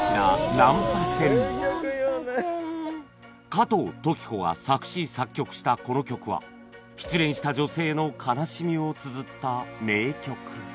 加藤登紀子が作詞・作曲したこの曲は失恋した女性の悲しみをつづった名曲